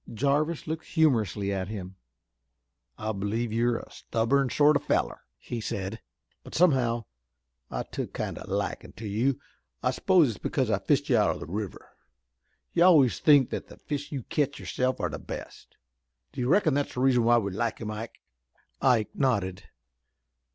Jarvis looked humorously at him. "I believe you are a stubborn sort of feller," he said, "but somehow I've took a kind o' likin' to you. I s'pose it's because I fished you out o' the river. You always think that the fish you ketch yourself are the best. Do you reckon that's the reason why we like him, Ike?" Ike nodded.